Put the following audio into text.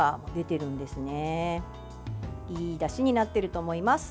いいだしになってると思います。